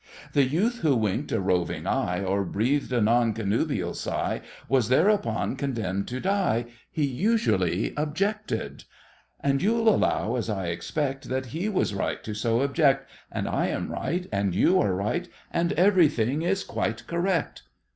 The youth who winked a roving eye, Or breathed a non connubial sigh, Was thereupon condemned to die— He usually objected. And you'll allow, as I expect, That he was right to so object. And I am right, And you are right, And everything is quite correct!